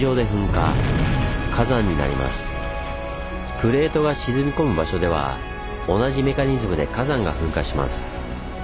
プレートが沈み込む場所では同じメカニズムで火山が噴火します。